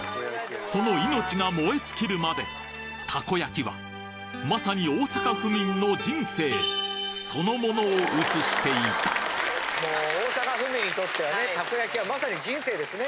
その命が燃え尽きるまでたこ焼きはまさに大阪府民の人生そのものを映していた大阪府民にとってはねたこ焼きはまさに人生ですね。